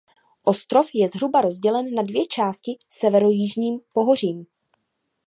Ostrov je zhruba rozdělen na dvě části severojižním pohořím.